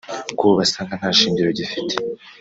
ko bo basanga nta shingiro gifite